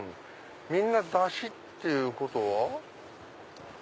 みんなダシっていうことは。